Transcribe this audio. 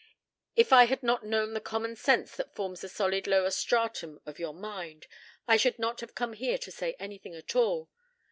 If I had not known the common sense that forms the solid lower stratum of your mind, I should not have come here to say anything at all.